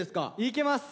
いけます！